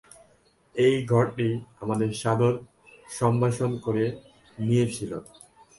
এই ঘরটি আমাদের সাদর সম্ভাষণ করে নিয়েছিল।